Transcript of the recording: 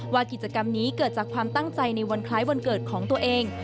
ว่ากิจกรรมนี้เกิดจากความตั้งใจในวันคล้ายวันเกิดของตัวเอง